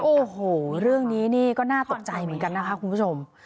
โอ้โห้เรื่องมันนี่นี่ก็น่าตกใจกันนะคะคุณผู้ชม